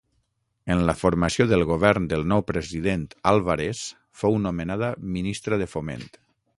En la formació del govern del nou president Álvarez fou nomenada ministra de Foment.